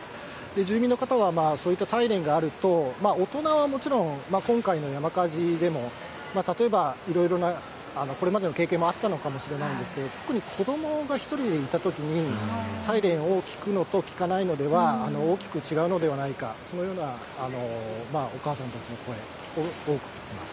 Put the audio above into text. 住民の方は、そういったサイレンがあると、大人はもちろん、今回の山火事でも、例えばいろいろなこれまでの経験もあったのかもしれないんですけれども、特に子どもが１人でいたときに、サイレンを聞くのと聞くのと聞かないのでは、大きく違うのではないか、そのようなお母さんたちの声、多く聞きます。